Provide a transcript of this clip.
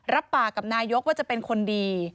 รับปากกับนายกว่าจะเป็นคนดี